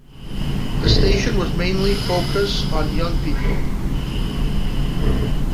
The station was mainly focus on young people.